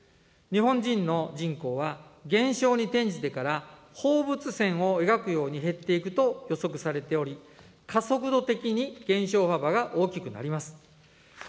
日本人の人口は減少に転じてから放物線を描くように減っていくと予測されており、加速度的に減少幅が大きくなります。